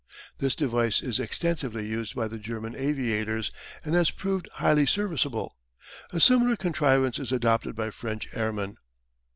This device is extensively used by the German aviators, and has proved highly serviceable; a similar contrivance is adopted by French airmen.